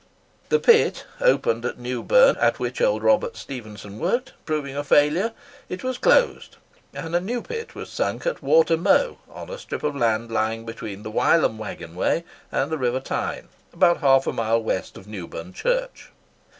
The pit opened at Newburn, at which old Robert Stephenson worked, proving a failure, it was closed; and a new pit was sunk at Water row, on a strip of land lying between the Wylam waggon way and the river Tyne, about half a mile west of Newburn Church.